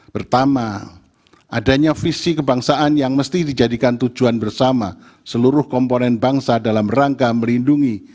pertama adanya visi kebangsaan yang mesti dijadikan tujuan bersama seluruh komponen bangsa dalam rangka melindungi